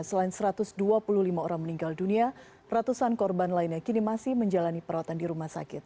selain satu ratus dua puluh lima orang meninggal dunia ratusan korban lainnya kini masih menjalani perawatan di rumah sakit